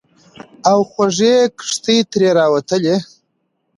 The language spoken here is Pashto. او خوږې کیښتې ترې راووتلې.